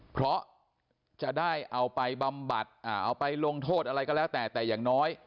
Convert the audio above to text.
เพราะจะได้เอาไปบำบัดเอาไปลงโทษอะไรก็แล้วแต่แต่อย่างน้อย